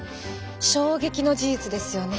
衝撃の事実ですよね。